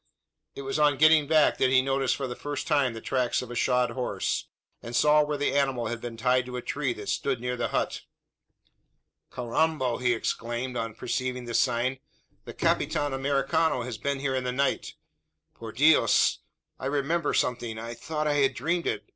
It was on getting back, that he noticed for the first time the tracks of a shod horse; and saw where the animal had been tied to a tree that stood near the hut. "Carrambo!" he exclaimed, on perceiving this sign, "the Capitan Americano has been here in the night. Por Dios! I remember something I thought I had dreamt it.